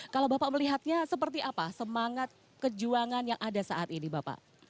kalau bapak melihatnya seperti apa semangat kejuangan yang ada saat ini bapak